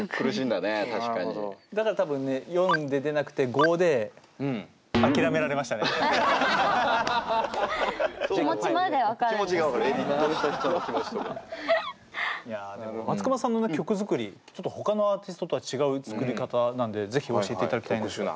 だから多分ね④で出なくて⑤で松隈さんの曲作りちょっと他のアーティストとは違う作り方なんで是非教えていただきたいんですが。